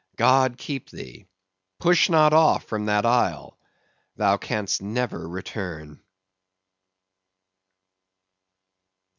God keep thee! Push not off from that isle, thou canst never return!